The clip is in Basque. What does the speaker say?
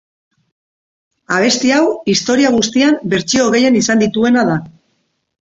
Abesti hau historia guztian bertsio gehien izan dituena da.